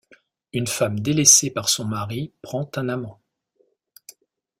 Une femme délaissée par son mari prend un amant.